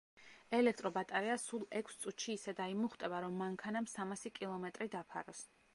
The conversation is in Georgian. ელექტრო ბატარეა სულ ექვს წუთში ისე დაიმუხტება, რომ მანქანამ სამასი კილომეტრი დაფაროს.